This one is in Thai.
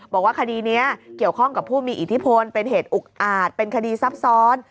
บอกว่าคดีนี้เกี่ยวข้องกับผู้มีอิทธิพลเป็นเหตุอุกอาจเป็นคดีซับซ้อน